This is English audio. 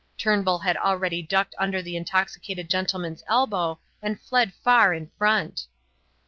Turnbull had already ducked under the intoxicated gentleman's elbow and fled far in front.